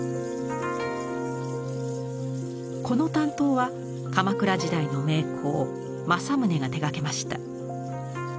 この短刀は鎌倉時代の名工正宗が手がけました。